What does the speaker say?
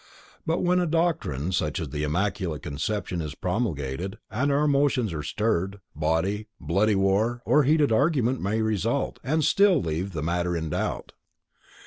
But when a doctrine such as the Immaculate Conception is promulgated and our emotions are stirred, bloody war, or heated argument, may result, and still leave the matter in doubt.